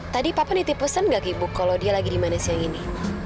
tadi papa niti pesen gak ke ibu kalau dia lagi dimana siang ini